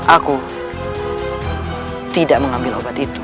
aku tidak mengambil obat itu